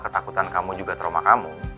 ketakutan kamu juga trauma kamu